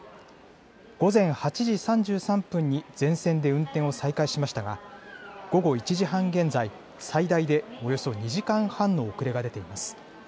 午前８時３３分に全線で運転を再開しましたが午後１時半現在、最大でおよそ２時間半の遅れが出ています。